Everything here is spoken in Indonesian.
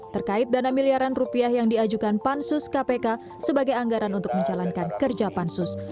terkait dana miliaran rupiah yang diajukan pansus kpk sebagai anggaran untuk menjalankan kerja pansus